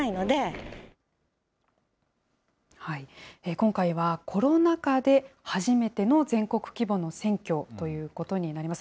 今回は、コロナ禍で初めての全国規模の選挙ということになります。